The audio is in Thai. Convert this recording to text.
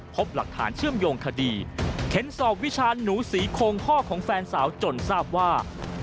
พบหลักฐานเชื่อมโยงคดีเข็นสอบวิชาหนูศรีโคงพ่อของแฟนสาวจนทราบว่า